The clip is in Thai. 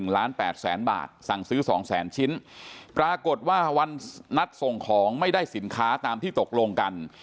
ล้าน๘แสนบาทสั่งซื้อ๒แสนชิ้นปรากฏว่าวันนัดส่งของไม่ได้สินค้าตามที่ตกลงกัน